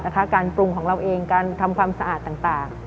การปรุงของเราเองการทำความสะอาดต่าง